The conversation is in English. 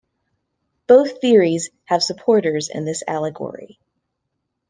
Both theories have supporters in this allegory.